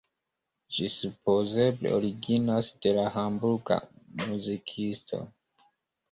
Ĝi supozeble originas de la Hamburga muzikisto.